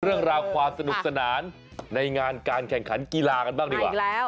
เรื่องราวความสนุกสนานในงานการแข่งขันกีฬากันบ้างดีกว่า